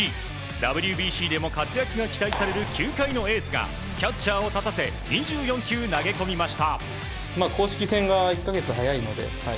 ＷＢＣでも活躍が期待される球界のエースがキャッチャーを立たせ２７球投げ込みました。